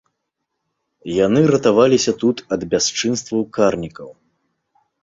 Яны ратаваліся тут ад бясчынстваў карнікаў.